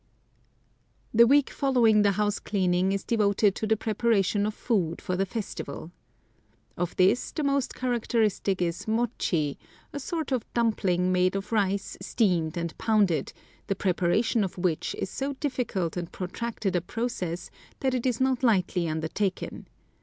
The week following the house cleaning is devoted to the preparation of food for the festival. Of this, the most characteristic is mochi, a sort of dumpling made of rice steamed and pounded, the preparation of which is so difficult and protracted a process that it is not lightly undertaken.